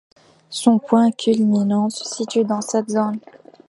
Son point culminant se situe dans cette zone.